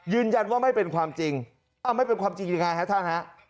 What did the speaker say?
ยืนยันว่าไม่เป็นความจริงอ้าวไม่เป็นความจริงยังไงฮะท่านฮะ